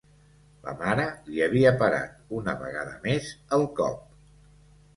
La mare li havia parat, una vegada més, el cop.